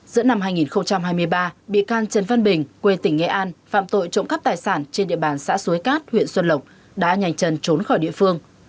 giữa năm hai nghìn hai mươi ba bị can trần văn bình quê tỉnh nghệ an phạm tội trộm cắp tài sản trên địa bàn xã suối cát huyện xuân lộc đã nhanh chân trốn khỏi địa phương